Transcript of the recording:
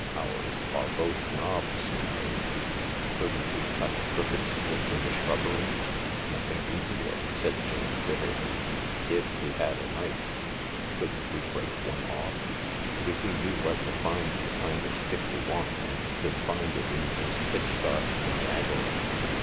Ours are both knobs, you know." " Couldn't we cut a crooked stick in the shrubbery ?"" Nothing easier," said Jane bitterly, "if we had a knife." " Couldn't we break one off ?"" If we knew where to find the kind of stick we want, and could find it in this pitch dark Niagara."